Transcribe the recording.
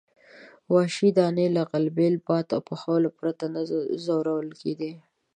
وحشي دانې له غلبیل، باد او پخولو پرته نه خوړل کېدې.